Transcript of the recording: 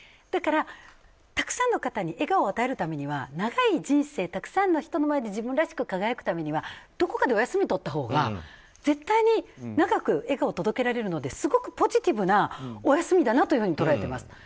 だからたくさんの方に笑顔を与えるためには長い人生、たくさんの人の前で自分らしく輝くためにはどこかでお休みをとったほうが絶対に長く笑顔を届けられるのですごくポジティブなお休みだなと捉えています。